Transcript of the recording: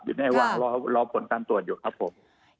อยู่ในระหว่างรอผลการตรวจอยู่ครับผม